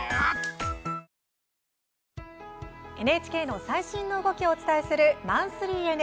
ＮＨＫの最新の動きをお伝えする「マンスリーＮＨＫ」。